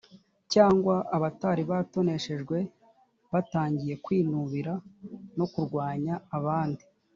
cyangwa abatari batoneshejwe batangiye kwinubira no kurwanya abandi